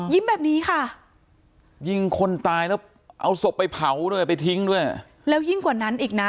แบบนี้ค่ะยิงคนตายแล้วเอาศพไปเผาด้วยไปทิ้งด้วยแล้วยิ่งกว่านั้นอีกนะ